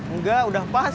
enggak udah pas